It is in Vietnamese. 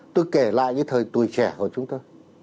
tôi kể lại cái thời tuổi trẻ của chúng ta